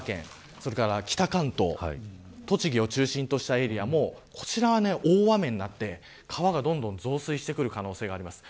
それから北関東栃木を中心としたエリアも大雨になって川がどんどん増水してくる可能性が出ます。